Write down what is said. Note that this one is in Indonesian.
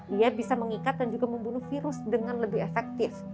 dia bisa mengikat dan juga membunuh virus dengan lebih efektif